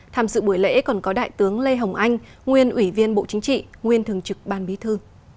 tham dự buổi lễ còn có đại tướng lê hồng anh nguyên ủy viên bộ chính trị nguyên thường trực ban bí thư